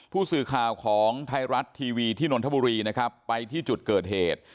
ผู้สื่อข่าวของไทยรัฐทีวีที่นนทบุรีนะครับไปที่จุดเกิดเหตุ